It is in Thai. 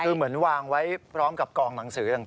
คือเหมือนวางไว้พร้อมกับกองหนังสือต่าง